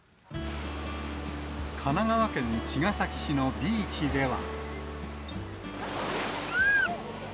神奈川県茅ヶ崎市のビーチでは。